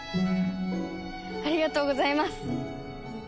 ありがとうございます。